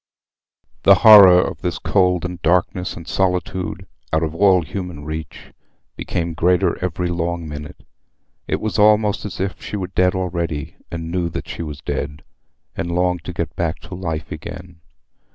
The horror of this cold, and darkness, and solitude—out of all human reach—became greater every long minute. It was almost as if she were dead already, and knew that she was dead, and longed to get back to life again.